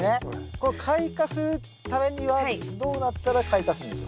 こう開花するためにはどうなったら開花するんでしょう？